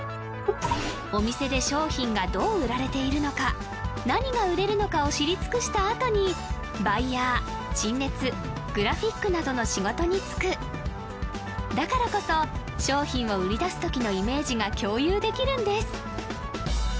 お店で商品がどう売られているのか何が売れるのかを知り尽くしたあとにバイヤー陳列グラフィックなどの仕事に就くだからこそ商品を売り出すときのイメージが共有できるんです